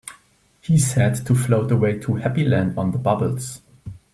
He said to float away to Happy Land on the bubbles.